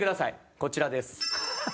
こちらです。